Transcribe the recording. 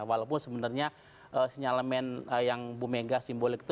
walaupun sebenarnya sinyalemen yang bu mega simbolik itu